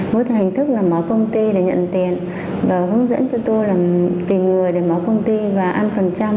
với hình thức là mở công ty để nhận tiền và hướng dẫn cho tôi là tìm người để máu công ty và ăn phần trăm